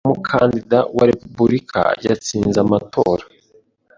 Umukandida wa Repubulika yatsinze amatora